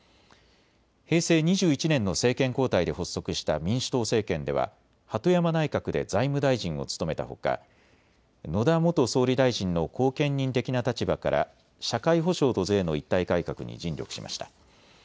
平成２１年の政権交代で発足した民主党政権では鳩山内閣で財務大臣を務めたほか野田元総理大臣の後見人的な立場から社会保障と税の一体改革に尽力しました。